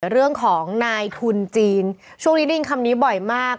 เรื่องของนายทุนจีนช่วงนี้ได้ยินคำนี้บ่อยมาก